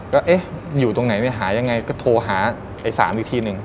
ก็เอ๊ะอยู่ตรงไหนไปหายังไงก็โทรหาไอ้สามอีกทีหนึ่ง